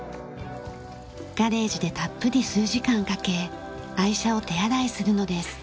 ガレージでたっぷり数時間かけ愛車を手洗いするのです。